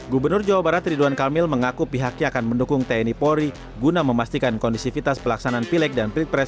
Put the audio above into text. gubernur jawa barat ridwan kamil mengaku pihaknya akan mendukung tni polri guna memastikan kondusivitas pelaksanaan pileg dan pilpres dua ribu sembilan belas